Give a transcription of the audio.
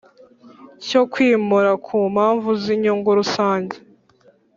Cyo kwimura ku mpamvu z inyungu rusange